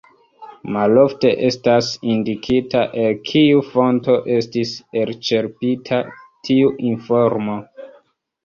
Malofte estas indikita el kiu fonto estis elĉerpita tiu informo.